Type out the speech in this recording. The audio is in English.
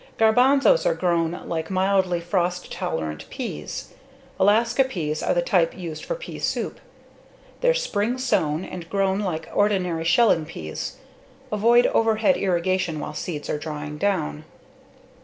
Garbanzos are grown like mildly frost tolerant peas. Alaska peas are the type used for pea soup. They're spring sown and grown like ordinary shelling peas. Avoid overhead irrigation while seeds are drying down.